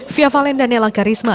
fia valen dan nela karisma